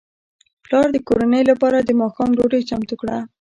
پلار د کورنۍ لپاره د ماښام ډوډۍ چمتو کړه.